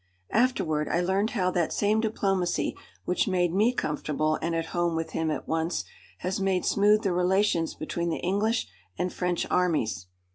Afterward I learned how that same diplomacy which made me comfortable and at home with him at once has made smooth the relations between the English and French Armies.